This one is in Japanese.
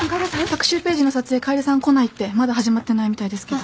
特集ページの撮影楓さん来ないってまだ始まってないみたいですけど。